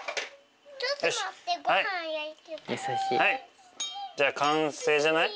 はい。